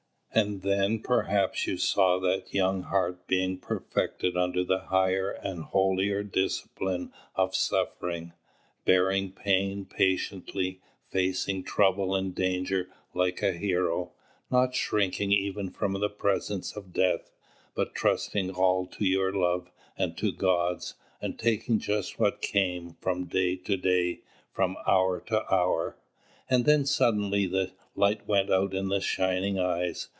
And then perhaps you saw that young heart being perfected under the higher and holier discipline of suffering, bearing pain patiently, facing trouble and danger like a hero, not shrinking even from the presence of death, but trusting all to your love and to God's, and taking just what came from day to day, from hour to hour. And then suddenly the light went out in the shining eyes.